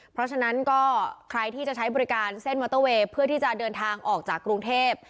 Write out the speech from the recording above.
เพราะฉะนั้นก็ใครที่จะใช้บริการเส้นมอเตอร์เวย์เพื่อที่จะเดินทางออกจากกรุงเทพ